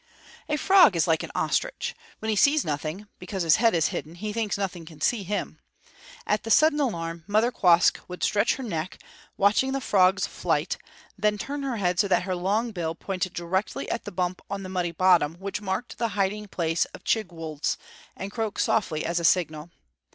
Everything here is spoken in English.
A frog is like an ostrich. When he sees nothing, because his head is hidden, he thinks nothing can see him. At the sudden alarm Mother Quoskh would stretch her neck, watching the frog's flight; then turn her head so that her long bill pointed directly at the bump on the muddy bottom, which marked the hiding place of Chigwooltz, and croak softly as a signal.